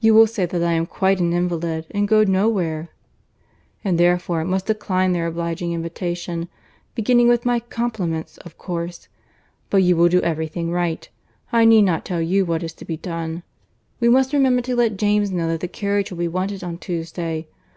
You will say that I am quite an invalid, and go no where, and therefore must decline their obliging invitation; beginning with my compliments, of course. But you will do every thing right. I need not tell you what is to be done. We must remember to let James know that the carriage will be wanted on Tuesday.